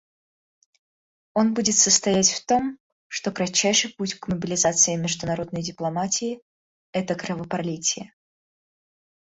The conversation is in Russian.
Он будет состоять в том, что кратчайший путь к мобилизации международной дипломатии — это кровопролитие.